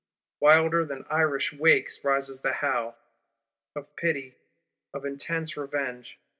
Wilder than Irish wakes, rises the howl: of pity; of infinite revenge.